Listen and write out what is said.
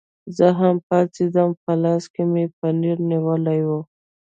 زه هم پاڅېدم، په لاس کې مې پنیر نیولي ول.